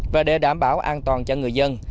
và để đảm bảo an toàn cho người dân